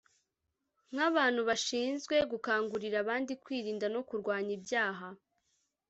Nk’abantu bashinzwe gukangurira abandi kwirinda no kurwanya ibyaha